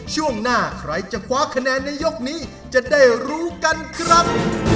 ช่วงหน้าใครจะคว้าคะแนนในยกนี้จะได้รู้กันครับ